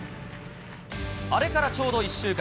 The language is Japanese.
あれからちょうど１週間。